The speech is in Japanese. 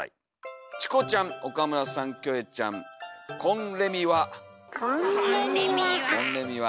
チコちゃん岡村さんキョエちゃんこんれみは」。